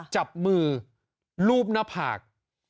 จับมือลูบหน้าผาก